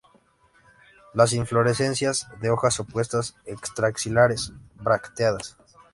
Las inflorescencias de hojas opuestas, extra-axilares, bracteadas.